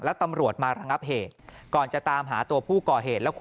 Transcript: แล้วตำรวจมาระงับเหตุ